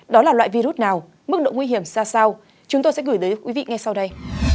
đó là loại virus nào mức độ nguy hiểm ra sao chúng tôi sẽ gửi đến quý vị ngay sau đây